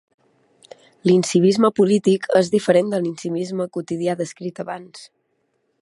L'incivisme polític és diferent de l'incivisme quotidià descrit abans.